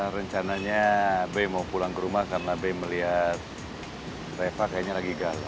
rencananya be mau pulang ke rumah karena be melihat reva kayaknya lagi galau